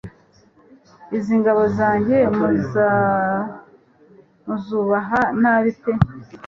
izi ngabo zanjye mu zubaha nabi pe